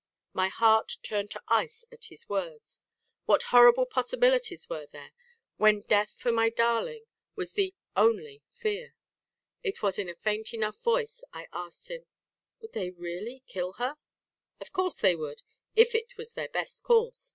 My heart turned to ice at his words. What horrible possibilities were there, when death for my darling was the "only" fear. It was in a faint enough voice I asked him: "Would they really kill her?" "Of course they would; if it was their best course.